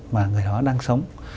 mà người đó đang sống